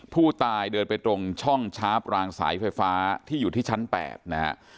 ผู้ตายเดินไปตรงช่องชาร์ปรางสายไฟฟ้าที่อยู่ที่ชั้น๘นะฮะ